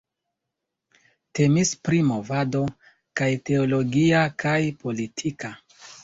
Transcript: Temis pri movado kaj teologia kaj politika.